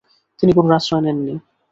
তিনি গুরুর আশ্রয় নেননি।